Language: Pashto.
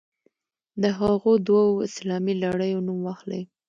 د هغو دوو اسلامي لړیو نوم واخلئ.